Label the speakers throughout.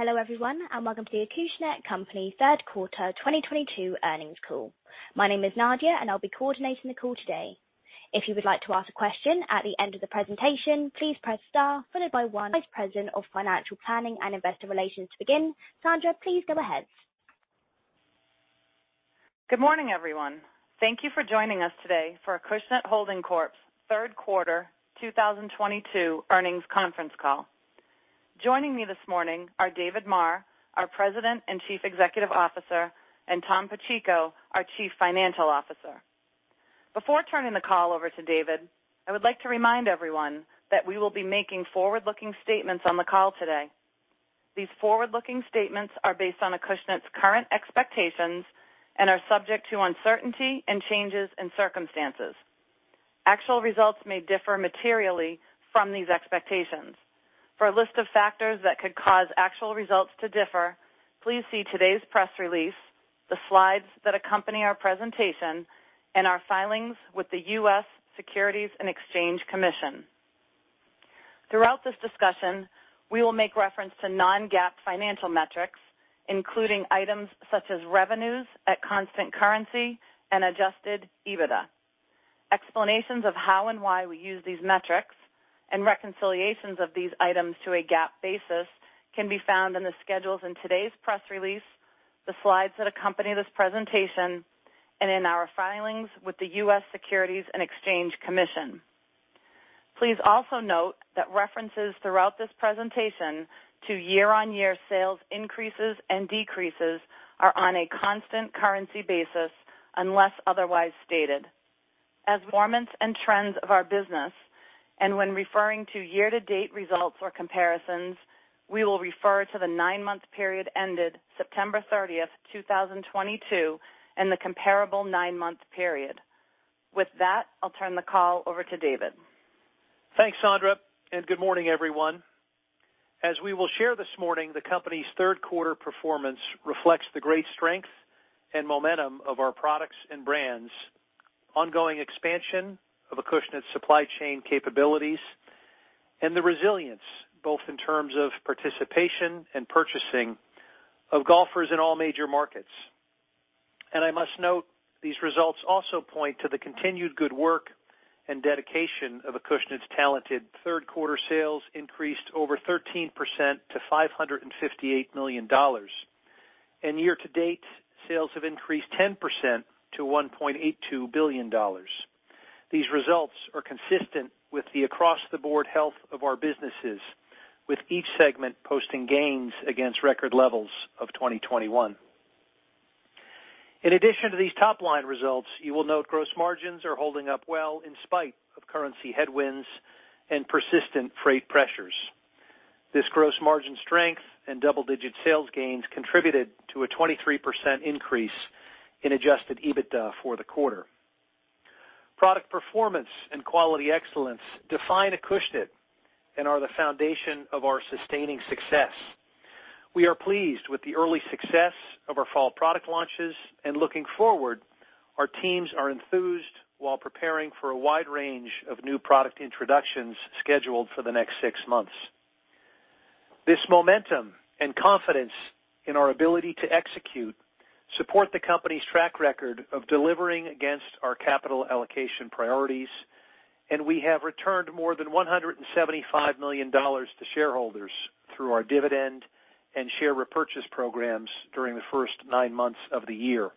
Speaker 1: Hello, everyone, and welcome to the Acushnet Company Third Quarter 2022 Earnings Call. My name is Nadia, and I'll be coordinating the call today. If you would like to ask a question at the end of the presentation, please press star followed by one. Vice President of Financial Planning and Investor Relations to begin. Sondra, please go ahead.
Speaker 2: Good morning, everyone. Thank you for joining us today for Acushnet Holdings Corp.'s Third Quarter 2022 Earnings Conference Call. Joining me this morning are David Maher, our President and Chief Executive Officer, and Tom Pacheco, our Chief Financial Officer. Before turning the call over to David, I would like to remind everyone that we will be making forward-looking statements on the call today. These forward-looking statements are based on Acushnet's current expectations and are subject to uncertainty and changes in circumstances. Actual results may differ materially from these expectations. For a list of factors that could cause actual results to differ, please see today's press release, the slides that accompany our presentation, and our filings with the U.S. Securities and Exchange Commission. Throughout this discussion, we will make reference to non-GAAP financial metrics, including items such as revenues at constant currency and adjusted EBITDA. Explanations of how and why we use these metrics and reconciliations of these items to a GAAP basis can be found in the schedules in today's press release, the slides that accompany this presentation, and in our filings with the U.S. Securities and Exchange Commission. Please also note that references throughout this presentation to year-over-year sales increases and decreases are on a constant currency basis unless otherwise stated. As performance and trends of our business and when referring to year-to-date results or comparisons, we will refer to the nine-month period ended September 30th, 2022 and the comparable nine-month period. With that, I'll turn the call over to David.
Speaker 3: Thanks, Sondra, and good morning, everyone. As we will share this morning, the company's third quarter performance reflects the great strength and momentum of our products and brands, ongoing expansion of Acushnet supply chain capabilities, and the resilience, both in terms of participation and purchasing of golfers in all major markets. I must note, these results also point to the continued good work and dedication of Acushnet's talented. Third quarter sales increased over 13% to $558 million. Year to date, sales have increased 10% to $1.82 billion. These results are consistent with the across-the-board health of our businesses, with each segment posting gains against record levels of 2021. In addition to these top-line results, you will note gross margins are holding up well in spite of currency headwinds and persistent freight pressures. This gross margin strength and double-digit sales gains contributed to a 23% increase in adjusted EBITDA for the quarter. Product performance and quality excellence define Acushnet and are the foundation of our sustaining success. We are pleased with the early success of our fall product launches, and looking forward, our teams are enthused while preparing for a wide range of new product introductions scheduled for the next six months. This momentum and confidence in our ability to execute support the company's track record of delivering against our capital allocation priorities, and we have returned more than $175 million to shareholders through our dividend and share repurchase programs during the first nine months of the year.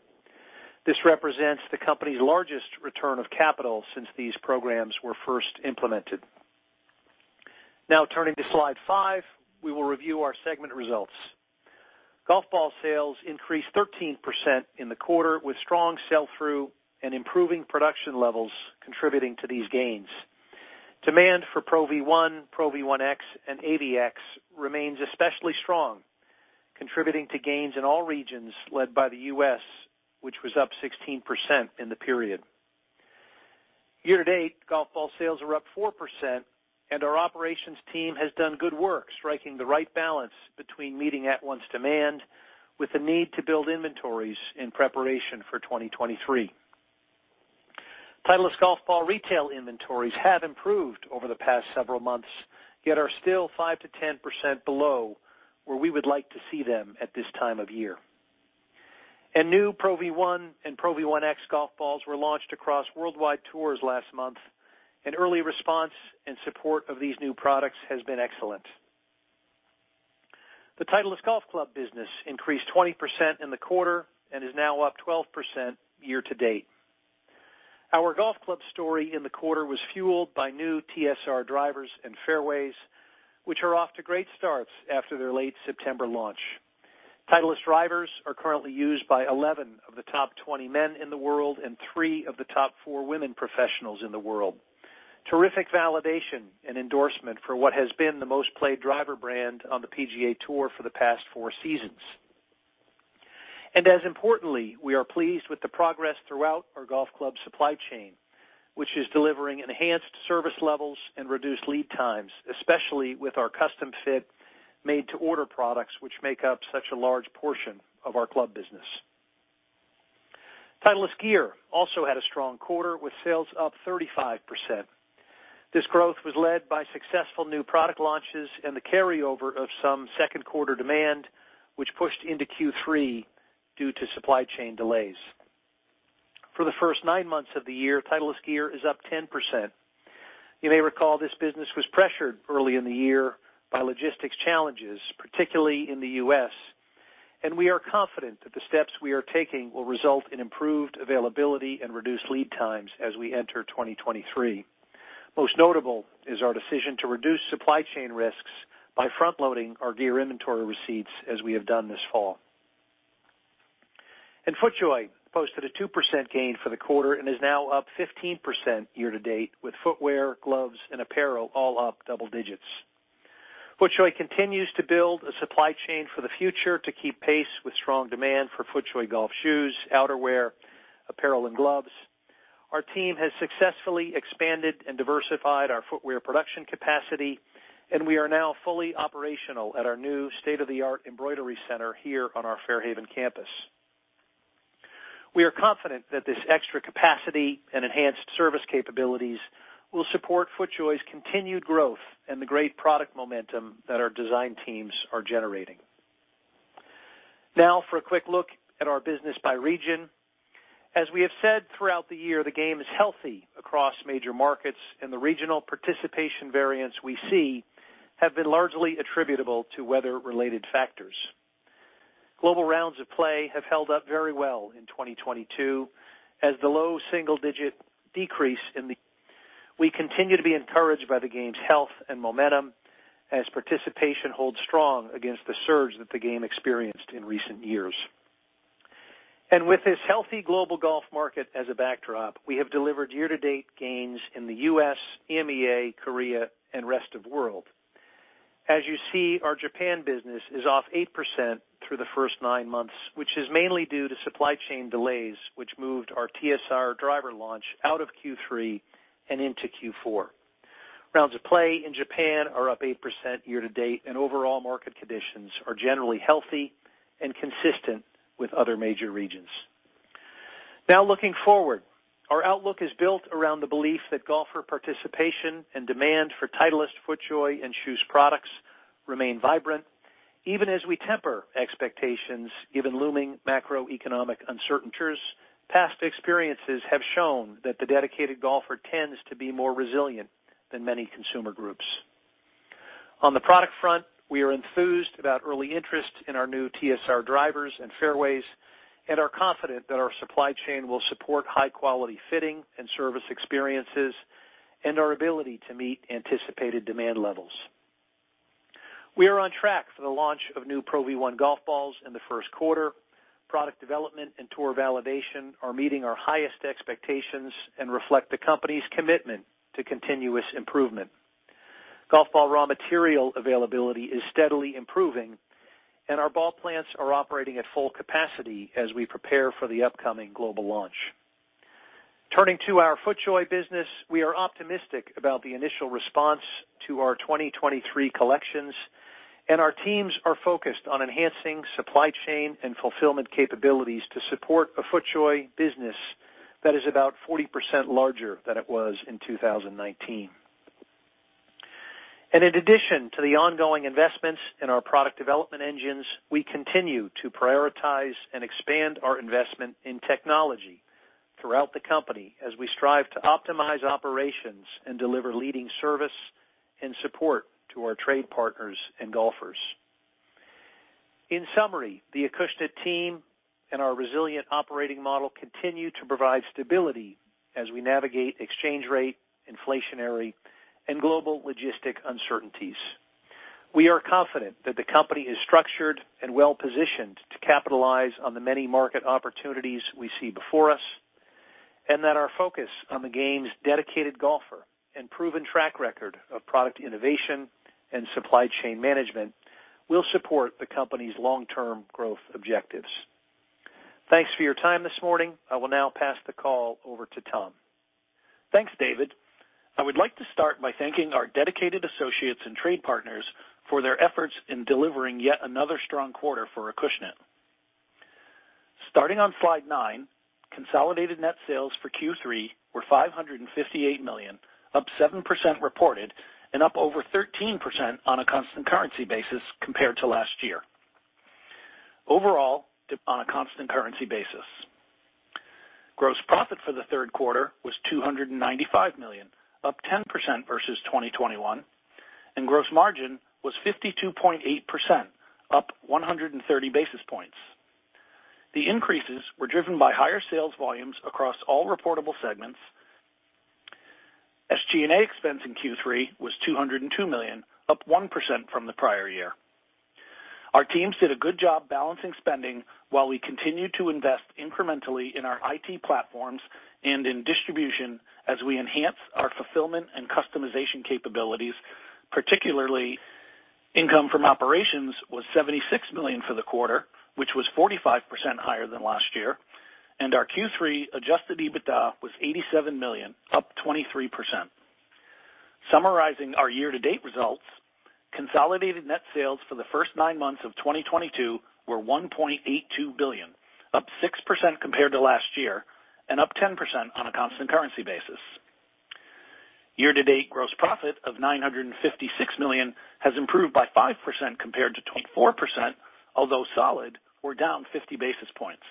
Speaker 3: This represents the company's largest return of capital since these programs were first implemented. Now turning to slide five, we will review our segment results. Golf ball sales increased 13% in the quarter, with strong sell-through and improving production levels contributing to these gains. Demand for Pro V1, Pro V1x, and AVX remains especially strong, contributing to gains in all regions led by the U.S., which was up 16% in the period. Year to date, golf ball sales are up 4%, and our operations team has done good work striking the right balance between meeting current demand with the need to build inventories in preparation for 2023. Titleist golf ball retail inventories have improved over the past several months, yet are still 5%-10% below where we would like to see them at this time of year. New Pro V1 and Pro V1x golf balls were launched across worldwide tours last month, and early response and support of these new products has been excellent. The Titleist golf club business increased 20% in the quarter and is now up 12% year to date. Our golf club story in the quarter was fueled by new TSR drivers and fairways, which are off to great starts after their late September launch. Titleist drivers are currently used by 11 of the top 20 men in the world and three of the top four women professionals in the world. Terrific validation and endorsement for what has been the most played driver brand on the PGA Tour for the past four seasons. As importantly, we are pleased with the progress throughout our golf club supply chain, which is delivering enhanced service levels and reduced lead times, especially with our custom fit made to order products, which make up such a large portion of our club business. Titleist gear also had a strong quarter, with sales up 35%. This growth was led by successful new product launches and the carryover of some second quarter demand, which pushed into Q3 due to supply chain delays. For the first nine months of the year, Titleist gear is up 10%. You may recall this business was pressured early in the year by logistics challenges, particularly in the U.S., and we are confident that the steps we are taking will result in improved availability and reduced lead times as we enter 2023. Most notable is our decision to reduce supply chain risks by front-loading our gear inventory receipts as we have done this fall. FootJoy posted a 2% gain for the quarter and is now up 15% year-to-date, with footwear, gloves and apparel all up double digits. FootJoy continues to build a supply chain for the future to keep pace with strong demand for FootJoy golf shoes, outerwear, apparel and gloves. Our team has successfully expanded and diversified our footwear production capacity, and we are now fully operational at our new state-of-the-art embroidery center here on our Fairhaven campus. We are confident that this extra capacity and enhanced service capabilities will support FootJoy's continued growth and the great product momentum that our design teams are generating. Now for a quick look at our business by region. As we have said throughout the year, the game is healthy across major markets, and the regional participation variants we see have been largely attributable to weather-related factors. Global rounds of play have held up very well in 2022 as the low single-digit decrease, we continue to be encouraged by the game's health and momentum as participation holds strong against the surge that the game experienced in recent years. With this healthy global golf market as a backdrop, we have delivered year-to-date gains in the U.S., EMEA, Korea, and Rest of World. As you see, our Japan business is off 8% through the first nine months, which is mainly due to supply chain delays, which moved our TSR driver launch out of Q3 and into Q4. Rounds of play in Japan are up 8% year-to-date, and overall market conditions are generally healthy and consistent with other major regions. Now looking forward, our outlook is built around the belief that golfer participation and demand for Titleist, FootJoy and KJUS products remain vibrant. Even as we temper expectations, given looming macroeconomic uncertainties, past experiences have shown that the dedicated golfer tends to be more resilient than many consumer groups. On the product front, we are enthused about early interest in our new TSR drivers and fairways and are confident that our supply chain will support high-quality fitting and service experiences and our ability to meet anticipated demand levels. We are on track for the launch of new Pro V1 golf balls in the first quarter. Product development and tour validation are meeting our highest expectations and reflect the company's commitment to continuous improvement. Golf ball raw material availability is steadily improving, and our ball plants are operating at full capacity as we prepare for the upcoming global launch. Turning to our FootJoy business, we are optimistic about the initial response to our 2023 collections, and our teams are focused on enhancing supply chain and fulfillment capabilities to support a FootJoy business that is about 40% larger than it was in 2019. In addition to the ongoing investments in our product development engines, we continue to prioritize and expand our investment in technology throughout the company as we strive to optimize operations and deliver leading service and support to our trade partners and golfers. In summary, the Acushnet team and our resilient operating model continue to provide stability as we navigate exchange rate, inflationary, and global logistical uncertainties. We are confident that the company is structured and well-positioned to capitalize on the many market opportunities we see before us, and that our focus on the game's dedicated golfer and proven track record of product innovation and supply chain management will support the company's long-term growth objectives. Thanks for your time this morning. I will now pass the call over to Tom.
Speaker 4: Thanks, David. I would like to start by thanking our dedicated associates and trade partners for their efforts in delivering yet another strong quarter for Acushnet. Starting on slide nine, consolidated net sales for Q3 were $558 million, up 7% reported and up over 13% on a constant currency basis compared to last year. Overall, on a constant currency basis, gross profit for the third quarter was $295 million, up 10% versus 2021, and gross margin was 52.8%, up 130 basis points. The increases were driven by higher sales volumes across all reportable segments. SG&A expense in Q3 was $202 million, up 1% from the prior year. Our teams did a good job balancing spending while we continued to invest incrementally in our IT platforms and in distribution as we enhance our fulfillment and customization capabilities. Particularly, income from operations was $76 million for the quarter, which was 45% higher than last year, and our Q3 adjusted EBITDA was $87 million, up 23%. Summarizing our year-to-date results, consolidated net sales for the first nine months of 2022 were $1.82 billion, up 6% compared to last year and up 10% on a constant currency basis. Year-to-date gross profit of $956 million has improved by 5% compared to 24%, although solid were down 50 basis points.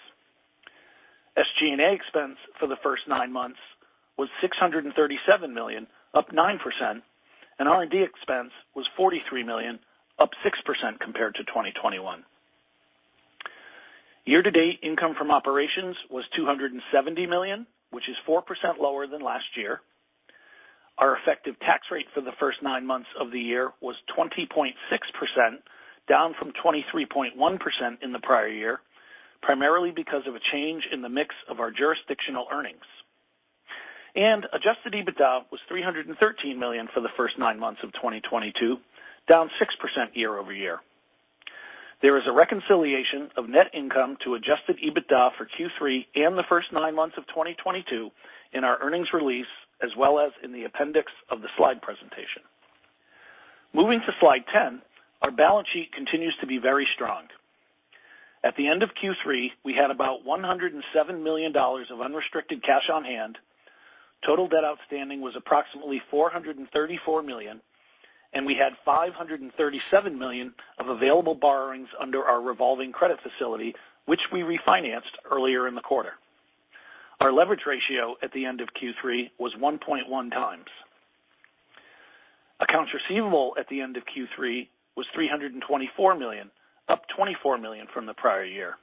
Speaker 4: SG&A expense for the first nine months was $637 million, up 9%, and R&D expense was $43 million, up 6% compared to 2021. Year-to-date income from operations was $270 million, which is 4% lower than last year. Our effective tax rate for the first nine months of the year was 20.6%, down from 23.1% in the prior year, primarily because of a change in the mix of our jurisdictional earnings. Adjusted EBITDA was $313 million for the first nine months of 2022, down 6% year-over-year. There is a reconciliation of net income to adjusted EBITDA for Q3 and the first nine months of 2022 in our earnings release, as well as in the appendix of the slide presentation. Moving to slide 10, our balance sheet continues to be very strong. At the end of Q3, we had about $107 million of unrestricted cash on hand. Total debt outstanding was approximately $434 million, and we had $537 million of available borrowings under our revolving credit facility, which we refinanced earlier in the quarter. Our leverage ratio at the end of Q3 was 1.1x. Accounts receivable at the end of Q3 was $324 million, up $24 million from the prior year.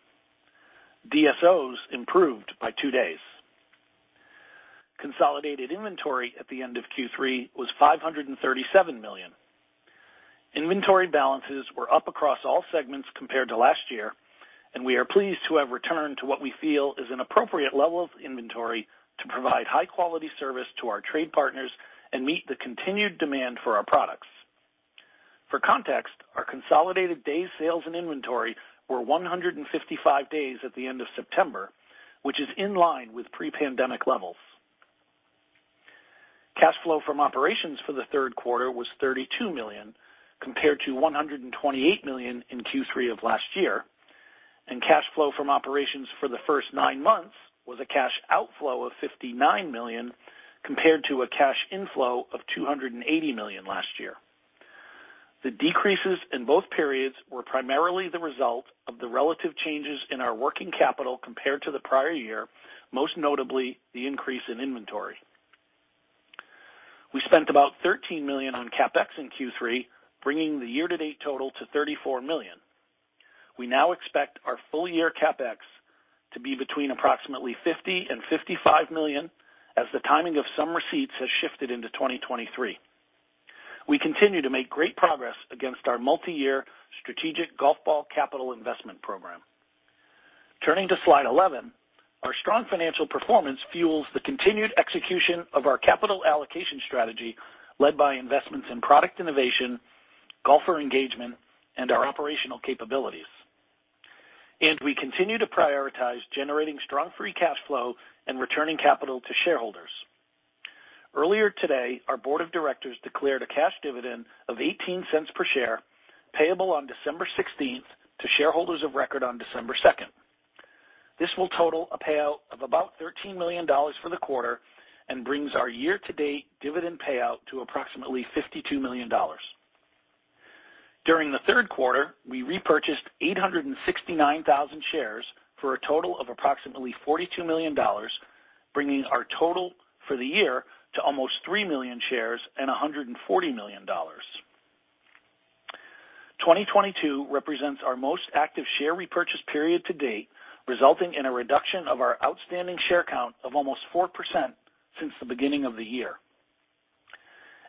Speaker 4: DSOs improved by two days. Consolidated inventory at the end of Q3 was $537 million. Inventory balances were up across all segments compared to last year, and we are pleased to have returned to what we feel is an appropriate level of inventory to provide high quality service to our trade partners and meet the continued demand for our products. For context, our consolidated days sales and inventory were 155 days at the end of September, which is in line with pre-pandemic levels. Cash flow from operations for the third quarter was $32 million, compared to $128 million in Q3 of last year, and cash flow from operations for the first nine months was a cash outflow of $59 million, compared to a cash inflow of $280 million last year. The decreases in both periods were primarily the result of the relative changes in our working capital compared to the prior year, most notably the increase in inventory. We spent about $13 million on CapEx in Q3, bringing the year-to-date total to $34 million. We now expect our full year CapEx to be between approximately $50 million and $55 million as the timing of some receipts has shifted into 2023. We continue to make great progress against our multi-year strategic golf ball capital investment program. Turning to slide 11. Our strong financial performance fuels the continued execution of our capital allocation strategy, led by investments in product innovation, golfer engagement, and our operational capabilities. We continue to prioritize generating strong free cash flow and returning capital to shareholders. Earlier today, our board of directors declared a cash dividend of $0.18 per share, payable on December 16th to shareholders of record on December 2nd. This will total a payout of about $13 million for the quarter and brings our year-to-date dividend payout to approximately $52 million. During the third quarter, we repurchased 869,000 shares for a total of approximately $42 million, bringing our total for the year to almost 3 million shares and $140 million. 2022 represents our most active share repurchase period to date, resulting in a reduction of our outstanding share count of almost 4% since the beginning of the year.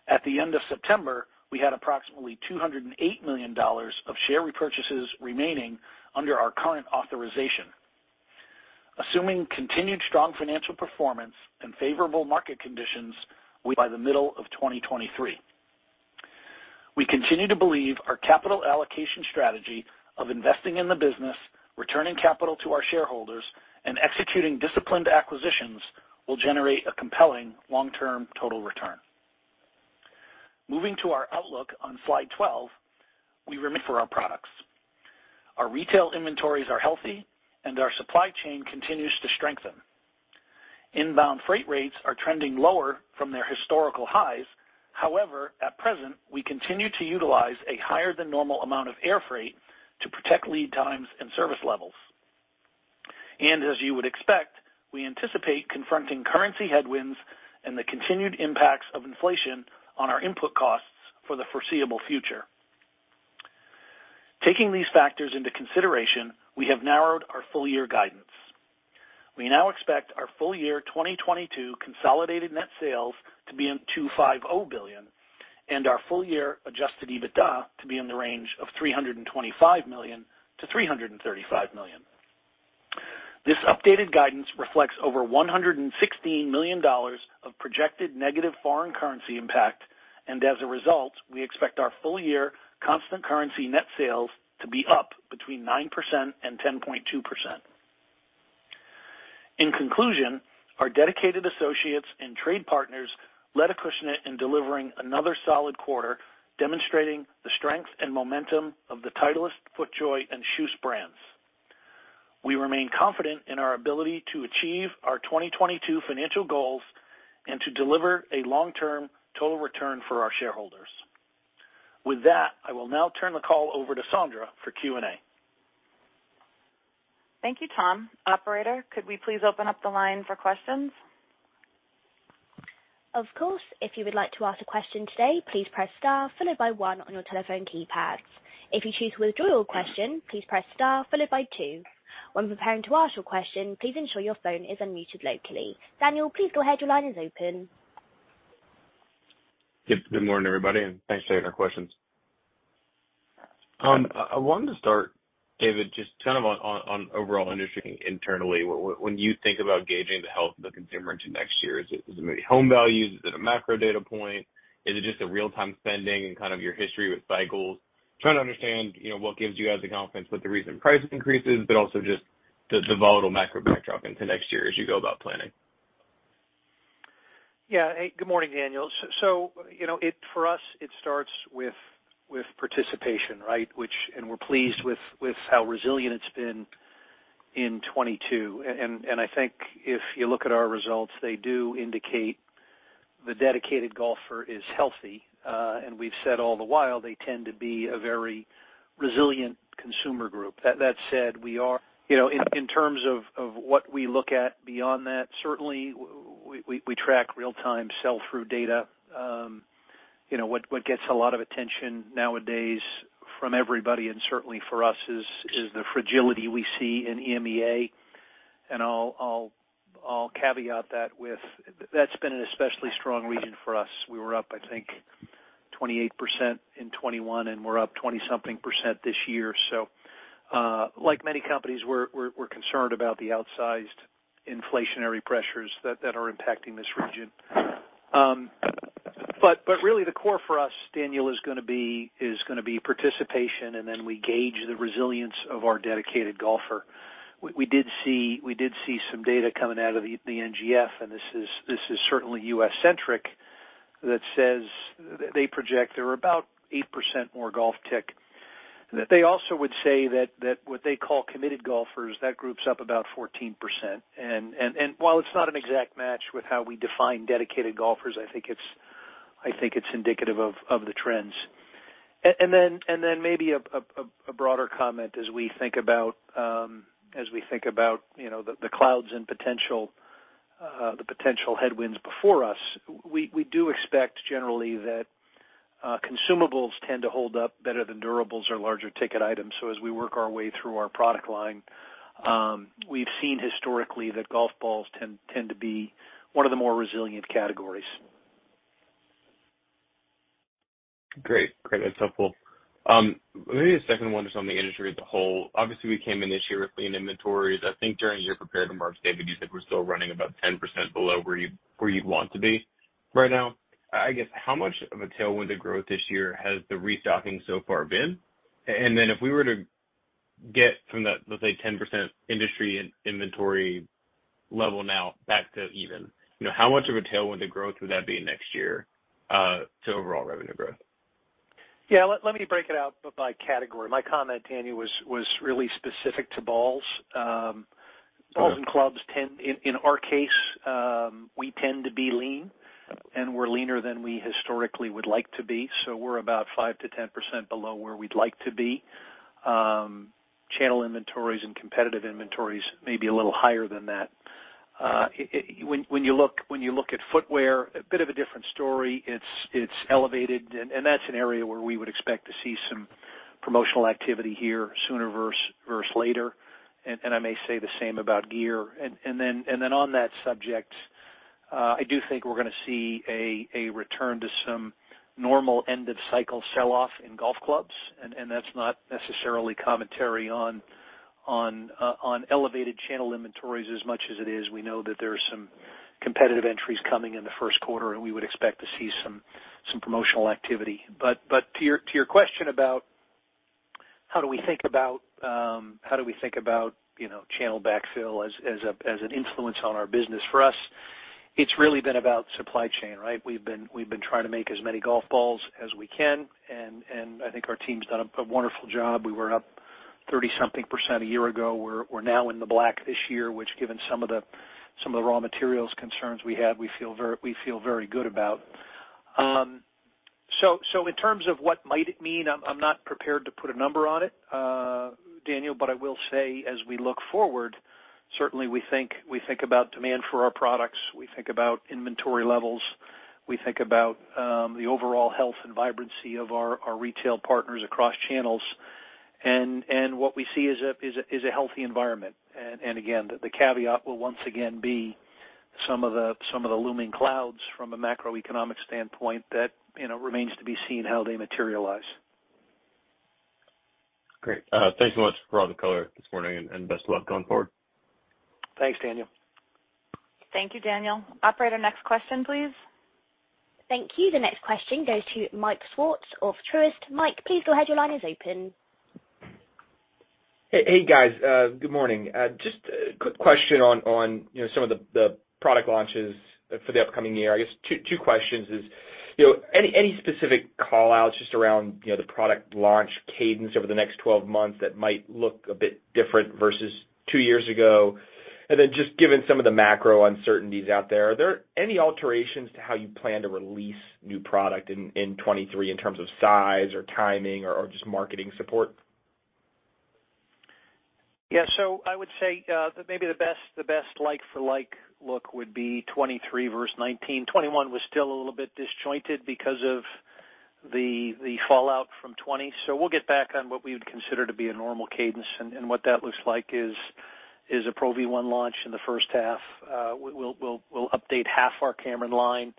Speaker 4: At the end of September, we had approximately $208 million of share repurchases remaining under our current authorization, assuming continued strong financial performance and favorable market conditions by the middle of 2023. We continue to believe our capital allocation strategy of investing in the business, returning capital to our shareholders, and executing disciplined acquisitions will generate a compelling long-term total return. Moving to our outlook on slide 12, we remain for our products. Our retail inventories are healthy and our supply chain continues to strengthen. Inbound freight rates are trending lower from their historical highs. However, at present, we continue to utilize a higher than normal amount of air freight to protect lead times and service levels. As you would expect, we anticipate confronting currency headwinds and the continued impacts of inflation on our input costs for the foreseeable future. Taking these factors into consideration, we have narrowed our full year guidance. We now expect our full year 2022 consolidated net sales to be $2.5 billion and our full year adjusted EBITDA to be in the range of $325 million-$335 million. This updated guidance reflects over $116 million of projected negative foreign currency impact, and as a result, we expect our full year constant currency net sales to be up between 9% and 10.2%. In conclusion, our dedicated associates and trade partners led Acushnet in delivering another solid quarter, demonstrating the strength and momentum of the Titleist, FootJoy and KJUS brands. We remain confident in our ability to achieve our 2022 financial goals and to deliver a long-term total return for our shareholders. With that, I will now turn the call over to Sondra for Q&A.
Speaker 2: Thank you, Tom. Operator, could we please open up the line for questions?
Speaker 1: Of course. If you would like to ask a question today, please press star followed by one on your telephone keypads. If you choose to withdraw your question, please press star followed by two. When preparing to ask your question, please ensure your phone is unmuted locally. Daniel, please go ahead. Your line is open.
Speaker 5: Good morning, everybody, and thanks for taking our questions. I wanted to start, David, just kind of on overall industry internally. When you think about gauging the health of the consumer into next year, is it maybe home values? Is it a macro data point? Is it just real-time spending and kind of your history with cycles? Trying to understand, you know, what gives you guys the confidence with the recent price increases, but also just the volatile macro backdrop into next year as you go about planning.
Speaker 3: Yeah. Good morning, Daniel. You know, it for us, it starts with participation, right? Which we're pleased with how resilient it's been in 2022. I think if you look at our results, they do indicate the dedicated golfer is healthy. We've said all the while they tend to be a very resilient consumer group. That said, we are, you know, in terms of what we look at beyond that, certainly we track real time sell through data. You know, what gets a lot of attention nowadays from everybody, and certainly for us, is the fragility we see in EMEA. I'll caveat that with that's been an especially strong region for us. We were up, I think, 28% in 2021, and we're up 20-something percent this year. Like many companies, we're concerned about the outsized inflationary pressures that are impacting this region. But really the core for us, Daniel, is gonna be participation, and then we gauge the resilience of our dedicated golfer. We did see some data coming out of the NGF, and this is certainly U.S. centric, that says they project there are about 8% more golfers. They also would say that what they call committed golfers, that group's up about 14%. While it's not an exact match with how we define dedicated golfers, I think it's indicative of the trends. Maybe a broader comment as we think about you know the clouds and potential the potential headwinds before us. We do expect generally that consumables tend to hold up better than durables or larger ticket items. As we work our way through our product line, we've seen historically that golf balls tend to be one of the more resilient categories.
Speaker 5: Great. That's helpful. Maybe a second one just on the industry as a whole. Obviously, we came in this year with lean inventories. I think during your prepared remarks, David, you said we're still running about 10% below where you'd want to be right now. I guess how much of a tailwind to growth this year has the restocking so far been? And then if we were to get from that, let's say, 10% industry inventory level now back to even, you know, how much of a tailwind to growth would that be next year to overall revenue growth?
Speaker 3: Yeah, let me break it out by category. My comment, Daniel, was really specific to balls. Balls and clubs tend in our case to be lean, and we're leaner than we historically would like to be. So we're about 5%-10% below where we'd like to be. Channel inventories and competitive inventories may be a little higher than that. When you look at footwear, a bit of a different story. It's elevated, and that's an area where we would expect to see some promotional activity here sooner versus later. I may say the same about gear. Then on that subject, I do think we're gonna see a return to some normal end of cycle sell-off in golf clubs. That's not necessarily commentary on elevated channel inventories as much as it is. We know that there are some competitive entries coming in the first quarter, and we would expect to see some promotional activity. To your question about how do we think about you know channel backfill as an influence on our business, for us, it's really been about supply chain, right? We've been trying to make as many golf balls as we can, and I think our team's done a wonderful job. We were up 30-something percent a year ago. We're now in the black this year, which given some of the raw materials concerns we had, we feel very good about. In terms of what it might mean, I'm not prepared to put a number on it, Daniel, but I will say as we look forward, certainly we think about demand for our products, we think about the overall health and vibrancy of our retail partners across channels. What we see is a healthy environment. Again, the caveat will once again be some of the looming clouds from a macroeconomic standpoint that, you know, remains to be seen how they materialize.
Speaker 5: Great. Thanks so much for all the color this morning, and best of luck going forward.
Speaker 3: Thanks, Daniel.
Speaker 2: Thank you, Daniel. Operator, next question, please.
Speaker 1: Thank you. The next question goes to Mike Swartz of Truist. Mike, please go ahead. Your line is open.
Speaker 6: Hey, guys. Good morning. Just a quick question on, you know, some of the product launches for the upcoming year. I guess two questions is, you know, any specific call-outs just around, you know, the product launch cadence over the next 12 months that might look a bit different versus two years ago? And then just given some of the macro uncertainties out there, are there any alterations to how you plan to release new product in 2023 in terms of size or timing or just marketing support?
Speaker 3: Yeah. I would say that maybe the best like for like look would be 2023 versus 2019. 2021 was still a little bit disjointed because of the fallout from 2020. We'll get back on what we would consider to be a normal cadence. What that looks like is a Pro V1 launch in the first half. We'll update half our Cameron line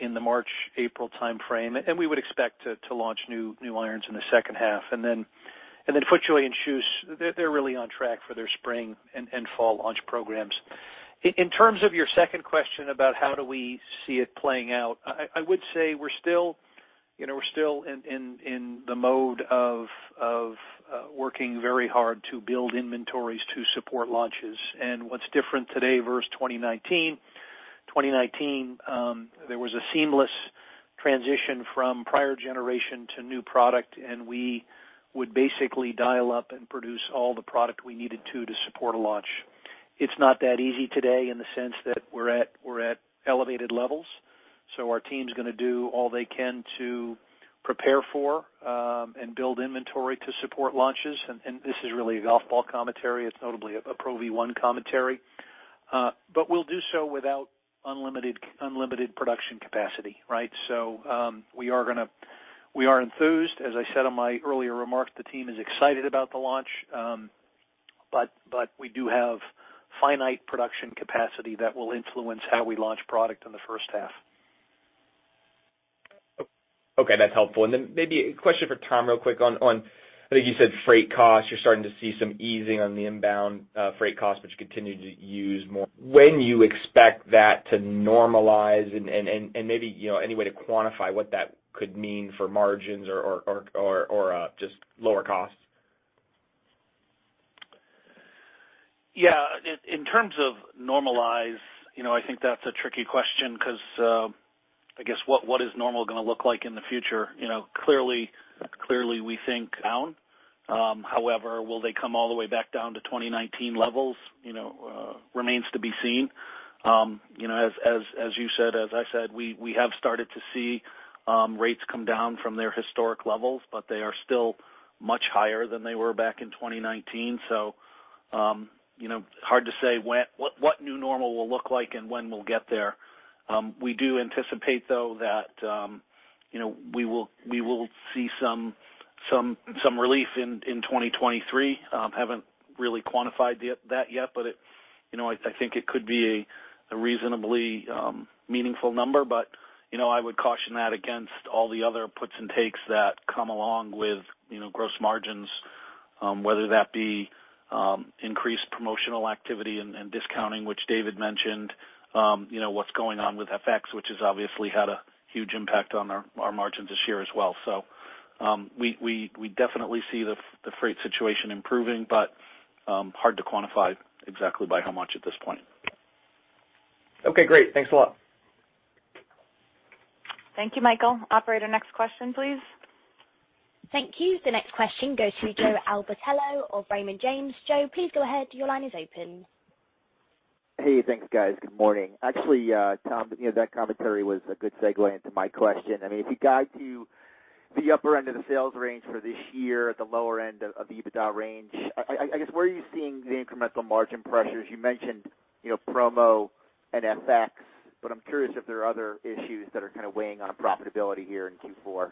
Speaker 3: in the March, April timeframe, and we would expect to launch new irons in the second half. FootJoy and KJUS, they're really on track for their spring and fall launch programs. In terms of your second question about how do we see it playing out, I would say we're still in the mode of working very hard to build inventories to support launches. What's different today versus 2019, there was a seamless transition from prior generation to new product, and we would basically dial up and produce all the product we needed to support a launch. It's not that easy today in the sense that we're at elevated levels. Our team's gonna do all they can to prepare for and build inventory to support launches. This is really a golf ball commentary. It's notably a Pro V1 commentary. But we'll do so without unlimited production capacity, right? We are enthused. As I said in my earlier remarks, the team is excited about the launch. We do have finite production capacity that will influence how we launch product in the first half.
Speaker 6: Okay, that's helpful. Maybe a question for Tom real quick on, I think you said freight costs. You're starting to see some easing on the inbound freight costs, which continue to ease more. When you expect that to normalize and maybe, you know, any way to quantify what that could mean for margins or just lower costs?
Speaker 4: In terms of normalization, you know, I think that's a tricky question because I guess what is normal gonna look like in the future. You know, clearly we think down. However, will they come all the way back down to 2019 levels? You know, it remains to be seen. You know, as you said, as I said, we have started to see rates come down from their historic levels, but they are still much higher than they were back in 2019. So you know, hard to say what new normal will look like and when we'll get there. We do anticipate, though, that you know, we will see some relief in 2023. Haven't really quantified that yet, but you know, I think it could be a reasonably meaningful number. You know, I would caution that against all the other puts and takes that come along with gross margins, whether that be increased promotional activity and discounting, which David mentioned. You know, what's going on with FX, which has obviously had a huge impact on our margins this year as well. We definitely see the freight situation improving, but hard to quantify exactly by how much at this point.
Speaker 6: Okay, great. Thanks a lot.
Speaker 2: Thank you, Michael. Operator, next question, please.
Speaker 1: Thank you. The next question goes to Joe Altobello of Raymond James. Joe, please go ahead. Your line is open.
Speaker 7: Hey, thanks, guys. Good morning. Actually, Tom, you know, that commentary was a good segue into my question. I mean, if you guide to the upper end of the sales range for this year at the lower end of the EBITDA range, I guess, where are you seeing the incremental margin pressures? You mentioned, you know, promo and FX, but I'm curious if there are other issues that are kind of weighing on profitability here in Q4.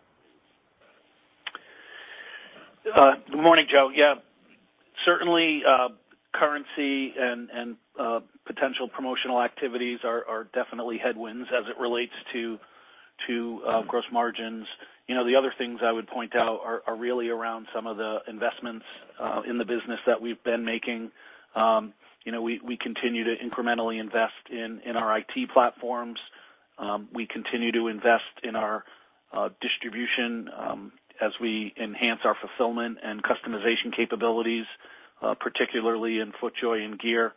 Speaker 4: Good morning, Joe. Yeah, certainly, currency and potential promotional activities are definitely headwinds as it relates to gross margins. You know, the other things I would point out are really around some of the investments in the business that we've been making. You know, we continue to incrementally invest in our IT platforms. We continue to invest in our distribution as we enhance our fulfillment and customization capabilities, particularly in FootJoy and gear.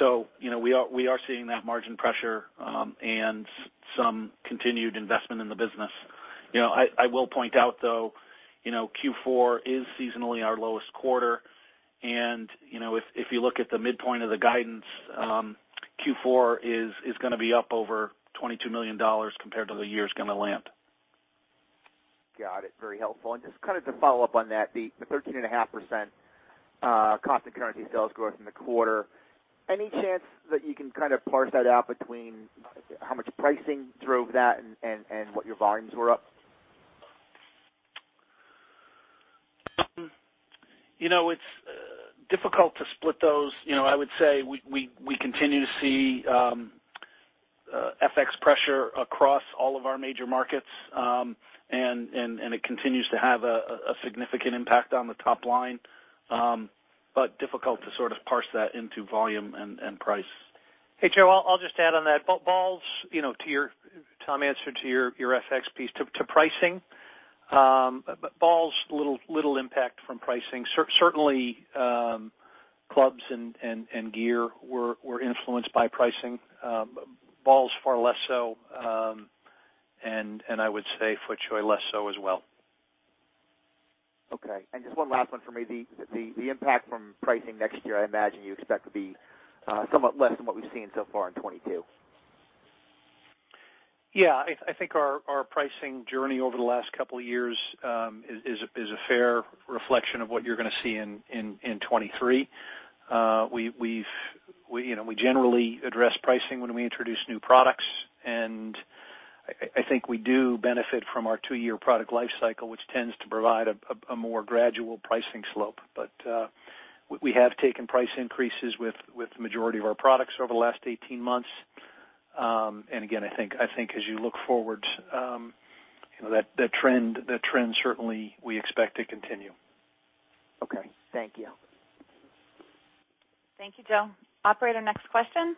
Speaker 4: You know, we are seeing that margin pressure and some continued investment in the business. You know, I will point out, though, Q4 is seasonally our lowest quarter. You know, if you look at the midpoint of the guidance, Q4 is gonna be up over $22 million compared to the year it's gonna land.
Speaker 7: Got it. Very helpful. Just kind of to follow up on that, the 13.5% constant currency sales growth in the quarter, any chance that you can kind of parse that out between how much pricing drove that and what your volumes were up?
Speaker 4: You know, it's difficult to split those. You know, I would say we continue to see FX pressure across all of our major markets. It continues to have a significant impact on the top line. Difficult to sort of parse that into volume and price.
Speaker 3: Hey, Joe, I'll just add on that. Balls, you know, to your. Tom answered your FX piece to pricing. Balls little impact from pricing. Certainly, clubs and gear were influenced by pricing. Balls far less so, and I would say FootJoy less so as well.
Speaker 7: Okay. Just one last one for me. The impact from pricing next year, I imagine you expect to be somewhat less than what we've seen so far in 2022.
Speaker 3: Yeah. I think our pricing journey over the last couple years is a fair reflection of what you're gonna see in 2023. We you know generally address pricing when we introduce new products, and I think we do benefit from our two-year product life cycle, which tends to provide a more gradual pricing slope. We have taken price increases with the majority of our products over the last 18 months. Again, I think as you look forward, you know, that trend certainly we expect to continue.
Speaker 7: Okay. Thank you.
Speaker 2: Thank you, Joe. Operator, next question.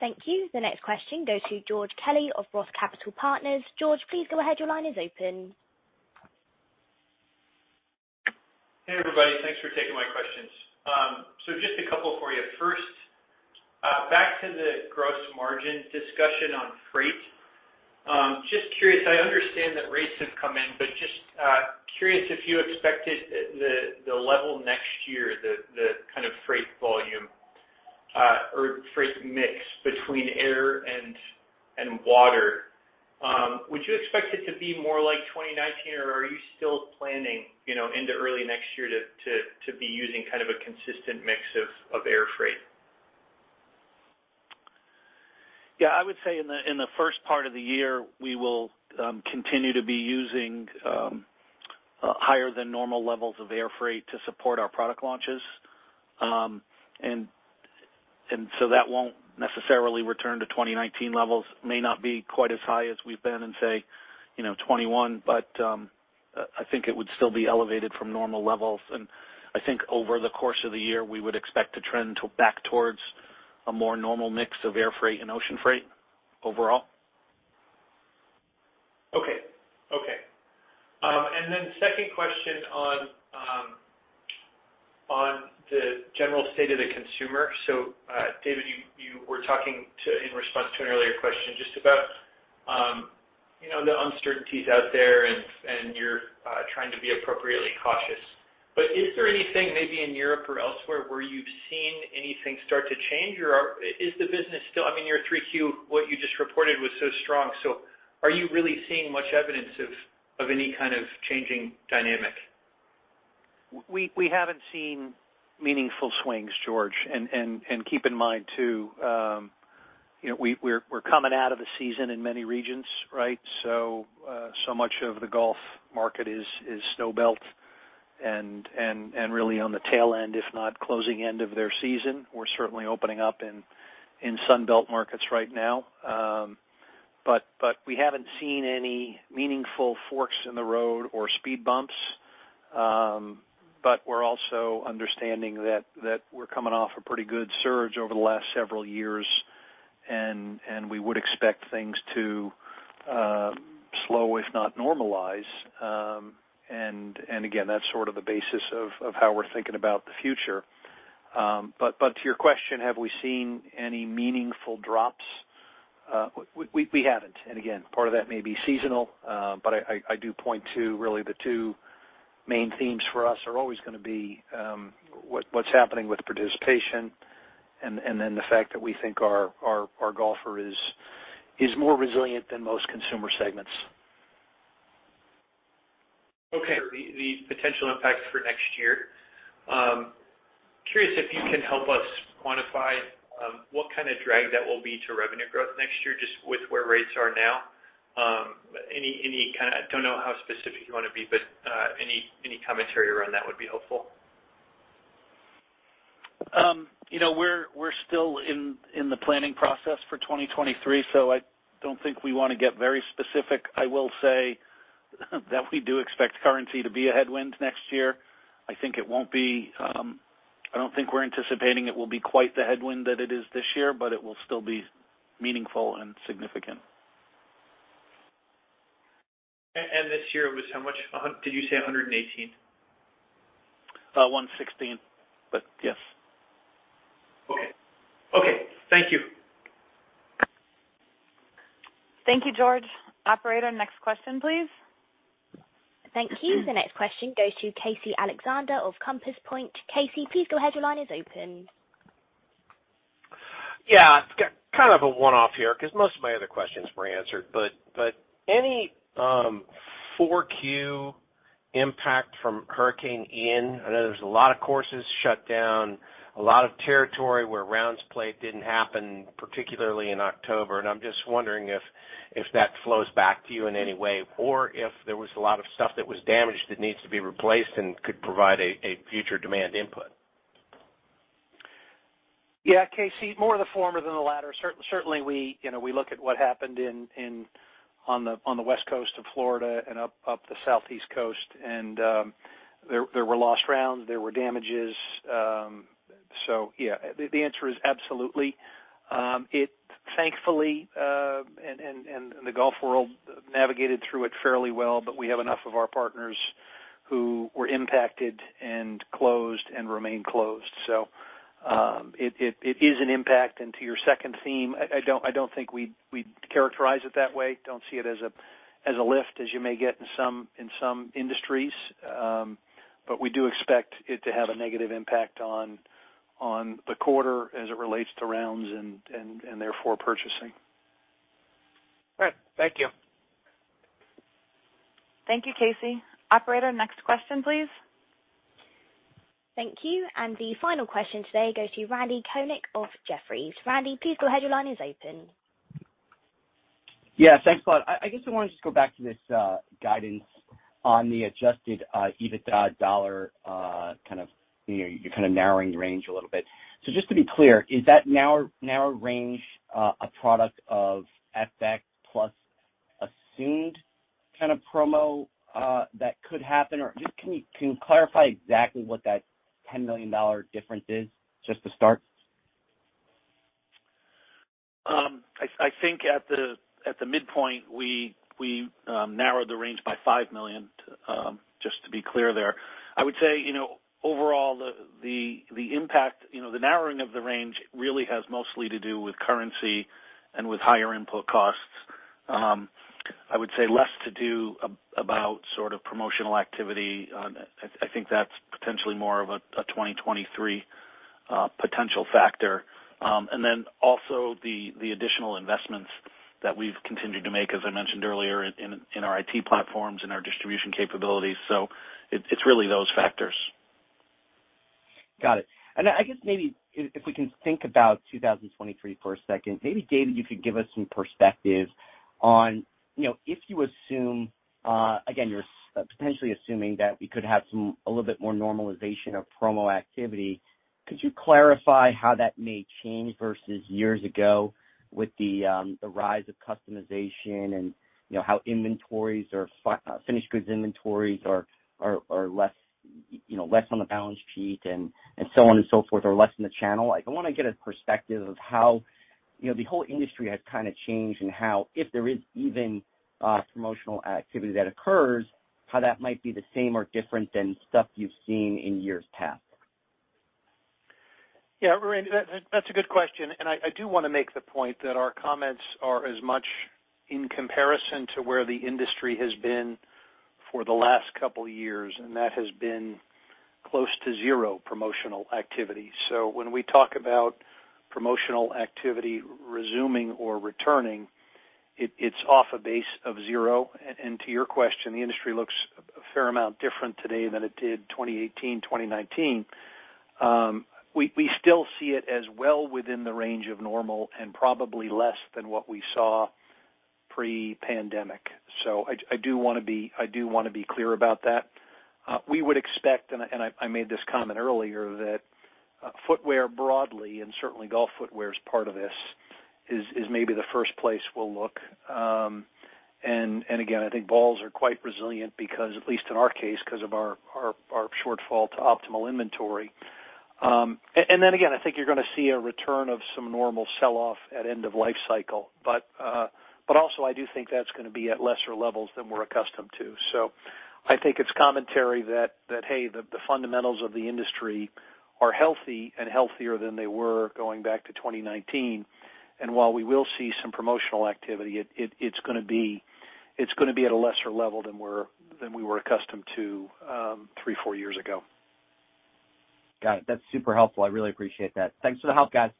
Speaker 1: Thank you. The next question goes to George Kelly of Roth Capital Partners. George, please go ahead. Your line is open.
Speaker 8: Hey, everybody. Thanks for taking my questions. So just a couple for you. First, back to the gross margin discussion on freight. Just curious, I understand that rates have come in, but just curious if you expected the level next year, the kind of freight volume or freight mix between air and water, would you expect it to be more like 2019 or are you still planning, you know, into early next year to be using kind of a consistent mix of air freight?
Speaker 4: Yeah, I would say in the first part of the year, we will continue to be using higher than normal levels of air freight to support our product launches. That won't necessarily return to 2019 levels. It may not be quite as high as we've been in say, you know, 2021, but I think it would still be elevated from normal levels. I think over the course of the year, we would expect to trend to back towards a more normal mix of air freight and ocean freight overall.
Speaker 8: Okay. Then second question on the general state of the consumer. David, you were talking about in response to an earlier question just about, you know, the uncertainties out there and you're trying to be appropriately cautious. But is there anything maybe in Europe or elsewhere where you've seen anything start to change or is the business still? I mean, your 3Q, what you just reported was so strong, so are you really seeing much evidence of any kind of changing dynamic?
Speaker 3: We haven't seen meaningful swings, George. Keep in mind too, you know, we're coming out of the season in many regions, right? So much of the golf market is Snowbelt and really on the tail end, if not closing end of their season. We're certainly opening up in Sun Belt markets right now. We haven't seen any meaningful forks in the road or speed bumps. We're also understanding that we're coming off a pretty good surge over the last several years, and we would expect things to slow if not normalize. Again, that's sort of the basis of how we're thinking about the future. To your question, have we seen any meaningful drops? We haven't. Again, part of that may be seasonal, but I do point to really the two main themes for us are always gonna be, what's happening with participation and then the fact that we think our golfer is more resilient than most consumer segments.
Speaker 8: Okay. The potential impact for next year. Curious if you can help us quantify what kind of drag that will be to revenue growth next year, just with where rates are now? Any kind of. I don't know how specific you wanna be, but any commentary around that would be helpful.
Speaker 4: You know, we're still in the planning process for 2023, so I don't think we wanna get very specific. I will say that we do expect currency to be a headwind next year. I think it won't be, I don't think we're anticipating it will be quite the headwind that it is this year, but it will still be meaningful and significant.
Speaker 8: This year it was how much? Did you say 118?
Speaker 4: 116, but yes.
Speaker 8: Okay. Okay. Thank you.
Speaker 2: Thank you, George. Operator, next question, please.
Speaker 1: Thank you. The next question goes to Casey Alexander of Compass Point. Casey, please go ahead. Your line is open.
Speaker 9: Yeah. Kind of a one-off here because most of my other questions were answered. Any 4Q impact from Hurricane Ian? I know there's a lot of courses shut down, a lot of territory where rounds played didn't happen, particularly in October, and I'm just wondering if that flows back to you in any way or if there was a lot of stuff that was damaged that needs to be replaced and could provide a future demand input.
Speaker 3: Yeah, Casey, more of the former than the latter. Certainly, you know, we look at what happened on the West Coast of Florida and up the Southeast Coast, and there were lost rounds, there were damages. Yeah, the answer is absolutely. It thankfully and the golf world navigated through it fairly well, but we have enough of our partners who were impacted and closed and remain closed. It is an impact. To your second theme, I don't think we'd characterize it that way. Don't see it as a lift as you may get in some industries. We do expect it to have a negative impact on the quarter as it relates to rounds and therefore purchasing.
Speaker 9: Great. Thank you.
Speaker 2: Thank you, Casey. Operator, next question, please.
Speaker 1: Thank you. The final question today goes to Randy Konik of Jefferies. Randy, please go ahead. Your line is open.
Speaker 10: Yeah, thanks a lot. I guess I wanna just go back to this guidance on the adjusted EBITDA dollar, kind of, you know, you're kinda narrowing the range a little bit. Just to be clear, is that narrow range a product of FX plus assumed kind of promo that could happen? Or can you clarify exactly what that $10 million difference is, just to start?
Speaker 4: I think at the midpoint, we narrowed the range by $5 million, just to be clear there. I would say, you know, overall the impact, you know, the narrowing of the range really has mostly to do with currency and with higher input costs. I would say less to do about sort of promotional activity. I think that's potentially more of a 2023 potential factor. Then also the additional investments that we've continued to make, as I mentioned earlier in our IT platforms and our distribution capabilities. It's really those factors.
Speaker 10: Got it. I guess maybe if we can think about 2023 for a second, maybe, David, you could give us some perspective on, you know, if you assume, again, you're potentially assuming that we could have some, a little bit more normalization of promo activity, could you clarify how that may change versus years ago with the rise of customization and, you know, how inventories or finished goods inventories are less, you know, less on the balance sheet and, so on and so forth, or less in the channel? Like, I wanna get a perspective of how, you know, the whole industry has kinda changed and how, if there is even, promotional activity that occurs, how that might be the same or different than stuff you've seen in years past.
Speaker 3: Yeah, Randy, that's a good question. I do wanna make the point that our comments are as much in comparison to where the industry has been for the last couple years, and that has been close to zero promotional activity. When we talk about promotional activity resuming or returning, it's off a base of zero. To your question, the industry looks a fair amount different today than it did 2018, 2019. We still see it as well within the range of normal and probably less than what we saw pre-pandemic. I do wanna be clear about that. We would expect, and I made this comment earlier, that footwear broadly, and certainly golf footwear is part of this, is maybe the first place we'll look. Again, I think balls are quite resilient because, at least in our case, 'cause of our shortfall to optimal inventory. Then again, I think you're gonna see a return of some normal sell-off at end of life cycle, but also I do think that's gonna be at lesser levels than we're accustomed to. I think it's commentary that hey, the fundamentals of the industry are healthy and healthier than they were going back to 2019. While we will see some promotional activity, it's gonna be at a lesser level than we were accustomed to three, four years ago.
Speaker 10: Got it. That's super helpful. I really appreciate that. Thanks for the help, guys.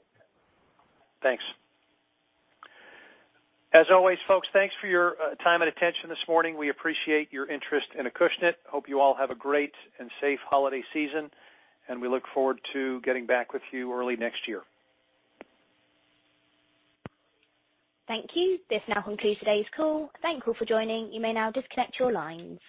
Speaker 3: Thanks. As always, folks, thanks for your time and attention this morning. We appreciate your interest in Acushnet. Hope you all have a great and safe holiday season, and we look forward to getting back with you early next year.
Speaker 1: Thank you. This now concludes today's call. Thank you for joining. You may now disconnect your lines.